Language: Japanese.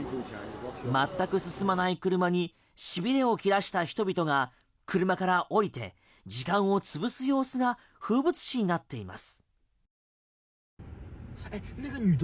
全く進まない車にしびれを切らした人々が車から降りて時間を潰す様子が風物詩になっています。